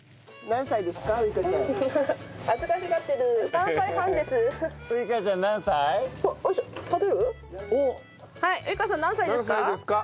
何歳ですか？